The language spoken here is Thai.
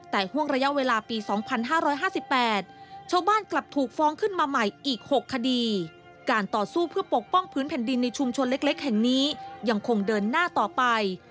แต่ห่วงระยะเวลาปี๒๕๕๘ชาวบ้านกลับถูกฟ้องขึ้นมาใหม่อีก๖คดีการต่อสู้เพื่อปกป้องพื้นแผ่นดินในชุมชนเล็กแห่งนี้ยังคงเดินหน้าต่อไป